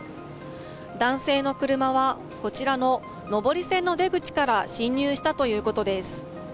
男性の車は、こちらの上り線の出口から進入したということです。